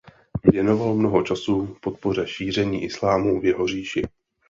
Věnoval mnoho času podpoře šíření Islámu v jeho říši.